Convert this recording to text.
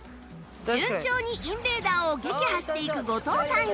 順調にインベーダーを撃破していく後藤隊員